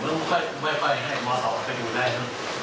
ส่วนใหญ่ผมไม่ค่อยให้หมอสอบเข้าไปดูได้เนอะ